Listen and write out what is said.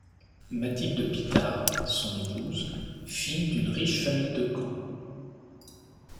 Mathilde Pitard, son épouse, fille d’une riche famille de Caen.